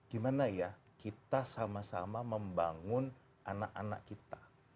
gimana ya kita sama sama membangun anak anak kita